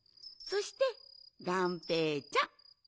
そしてがんぺーちゃん。